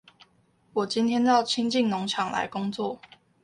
我今天到清境農場來工作